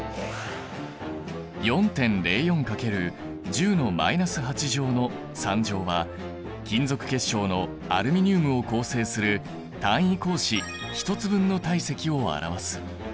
４．０４×１０のマイナス８乗の３乗は金属結晶のアルミニウムを構成する単位格子１つ分の体積を表す。